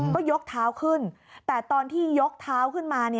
ก็ยกเท้าขึ้นแต่ตอนที่ยกเท้าขึ้นมา